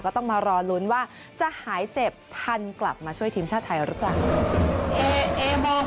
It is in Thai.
ก็ต้องมารอลุ้นว่าจะหายเจ็บทันกลับมาช่วยทีมชาติไทยหรือเปล่า